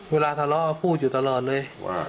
เวลาทะเลาะพูดอยู่ตลอดเลยว่า